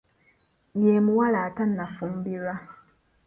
Ye muwala atannafumbirwa.